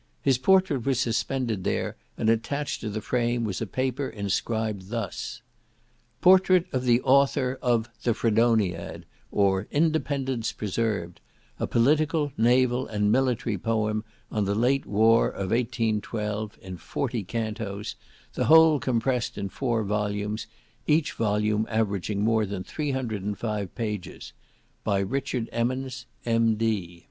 His portrait was suspended there, and attached to the frame was a paper inscribed thus: "PORTRAIT OF THE AUTHOR of The Fredoniad, or Independence Preserved, a political, naval, and military poem, on the late war of 1812, in forty cantos; the whole compressed in four volumes; each volume averaging more than 305 pages, By RICHARD EMMONS, M.D."